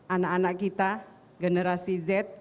anak anak kita generasi z